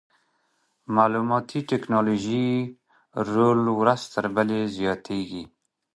د معلوماتي ټکنالوژۍ رول ورځ تر بلې زیاتېږي.